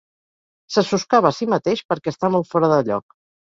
Se soscava a sí mateix perquè està molt fora de lloc.